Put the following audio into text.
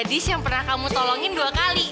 dis yang pernah kamu tolongin dua kali